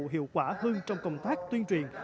hiệu quả hơn trong công tác tuyên truyền